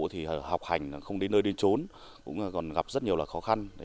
thì học hành không đến nơi đến trốn cũng còn gặp rất nhiều là khó khăn